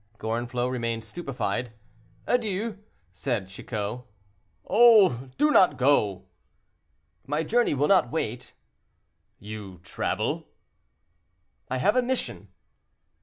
Gorenflot remained stupefied. "Adieu," said Chicot. "Oh! do not go." "My journey will not wait." "You travel?" "I have a mission."